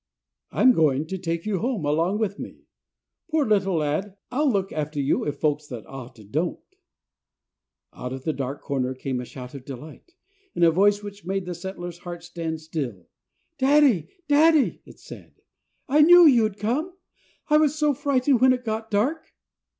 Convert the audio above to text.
"I'm going to take you home along with me. Poor little lad, I'll look after you if folks that ought to don't." Out of the dark corner came a shout of delight, in a voice which made the settler's heart stand still. "Daddy, daddy," it said, "I knew you'd come. I was so frightened when it got dark!"